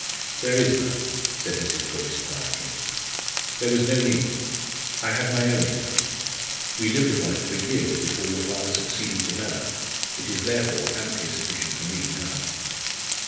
"There is none," said Mrs. Boyce, quietly. "There was no need. I have my own income. We lived upon it for years before your father succeeded to Mellor. It is therefore amply sufficient for me now."